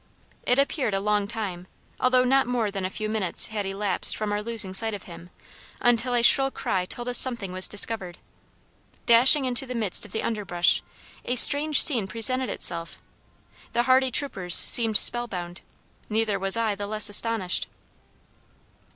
It appeared a long time, although not more than a few minutes had elapsed from our losing sight of him, until a shrill cry told us something was discovered. Dashing into the midst of the underbrush, a strange scene presented itself. The hardy troopers seemed spell bound, neither was I the less astonished.